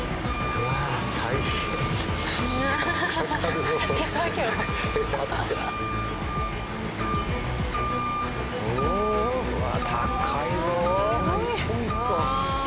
うわっ高いぞ。